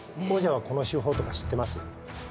王者はこの手法とか知ってます？